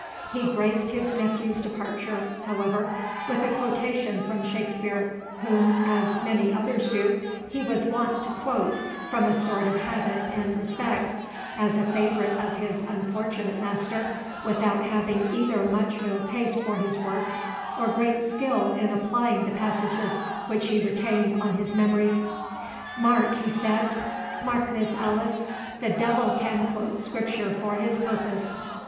He graced his nephew's departure, however, with a quotation from Shakspeare, whom, as many others do, he was wont to quote from a sort of habit and respect, as a favourite of his unfortunate master, without having either much real taste for his works, or great skill in applying the passages which he retained on his memory. "Mark," he said, "mark this, Alice—the devil can quote Scripture for his purpose.